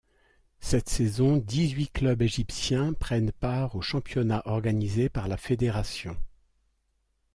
Cette saison, dix-huit clubs égyptiens prennent part au championnat organisé par la fédération.